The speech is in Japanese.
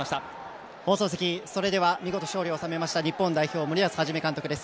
放送席、それでは見事、勝利しました日本代表、森保一監督です。